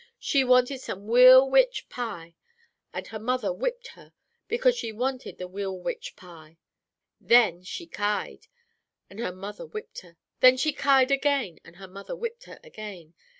She wanted some weal wich pie. And her mother whipped her because she wanted the weal wich pie. Then she kied. And her mother whipped her. Then she kied again. And her mother whipped her again.